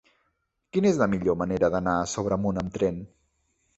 Quina és la millor manera d'anar a Sobremunt amb tren?